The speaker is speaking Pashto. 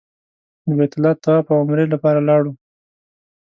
د بیت الله طواف او عمرې لپاره لاړو.